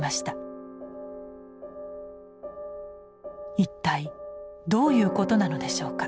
一体どういうことなのでしょうか？